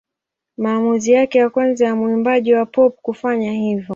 Maamuzi yake ya kwanza ya mwimbaji wa pop kufanya hivyo.